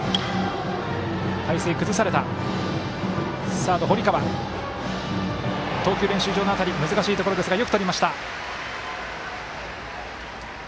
サード、堀川投球練習場の辺り難しいところですがよくとりました。